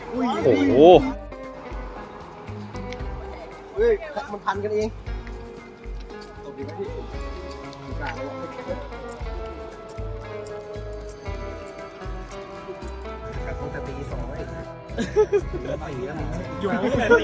เฮ้ยมันพันกันเอง